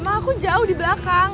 lama aku jauh dibelakang